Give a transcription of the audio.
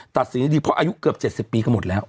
ตัดสินให้ดีเพราะอายุเกือบ๗๐ปีก็หมดแล้ว